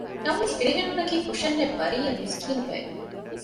ނަމަވެސް ފިރިހެނުންނަކީ ކުށެއްނެތް ބަރީއަ މިސްކީނު ބަޔެއް